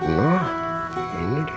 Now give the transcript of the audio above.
inilah ini dia